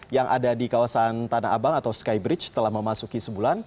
yang ada di kawasan tanah abang atau skybridge telah memasuki sebulan